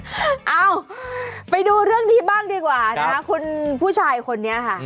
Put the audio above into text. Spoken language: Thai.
เอ้าไปดูเรื่องนี้บ้างดีกว่านะคุณผู้ชายคนนี้ค่ะ